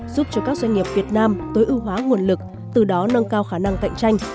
giúp cho các doanh nghiệp việt nam tối ưu hóa nguồn lực từ đó nâng cao khả năng cạnh tranh